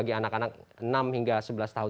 bagi anak anak enam hingga sebelas tahun